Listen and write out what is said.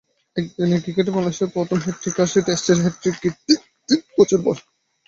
একদিনের ক্রিকেটে বাংলাদেশের পক্ষে প্রথম হ্যাটট্রিকটি আসে টেস্টের হ্যাটট্রিক-কীর্তিরও তিন বছর পর।